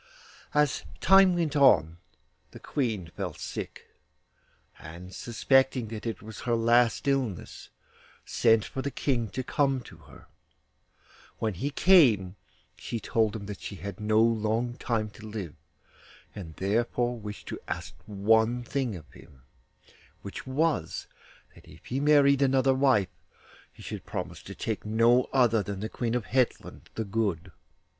As time went on the Queen fell sick, and suspecting that it was her last illness, sent for the King to come to her. When he came she told him that she had no long time to live, and therefore wished to ask one thing of him, which was, that if he married another wife he should promise to take no other one than the Queen of Hetland the Good.